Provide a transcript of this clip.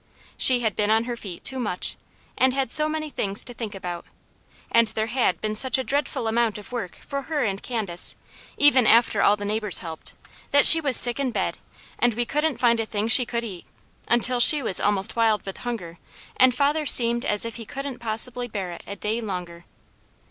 She had been on her feet too much, and had so many things to think about, and there had been such a dreadful amount of work for her and Candace, even after all the neighbours helped, that she was sick in bed and we couldn't find a thing she could eat, until she was almost wild with hunger and father seemed as if he couldn't possibly bear it a day longer.